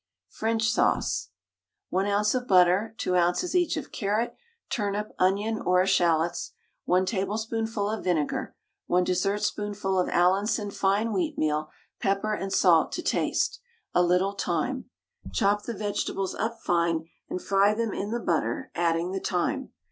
FRENCH SAUCE. 1 oz. of butter, 2 oz. each of carrot, turnip, onion, or eschalots, 1 tablespoonful of vinegar, 1 dessertspoonful of Allinson fine wheatmeal, pepper and salt to taste, a little thyme. Chop the vegetables up fine, and fry them in the butter, adding the thyme.